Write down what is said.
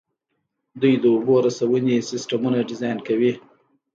دوی د اوبو رسونې سیسټمونه ډیزاین کوي.